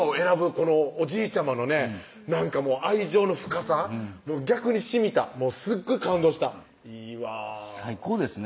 このおじいちゃまのねなんか愛情の深さ逆にしみたすごい感動したいいわ最高ですね